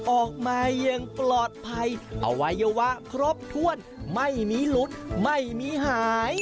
ออกมาอย่างปลอดภัยอวัยวะครบถ้วนไม่มีลุ้นไม่มีหาย